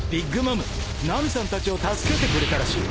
［ナミさんたちを助けてくれたらしい］